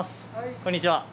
こんにちは。